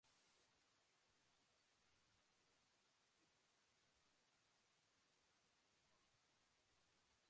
Geltokiaren kanpoaldean, Rivas kalean, hiru autobus geraleku daude.